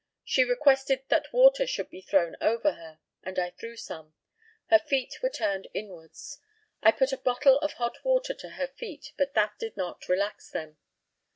She requested that water should be thrown over her, and I threw some. Her feet were turned inwards. I put a bottle of hot water to her feet, but that did not relax them.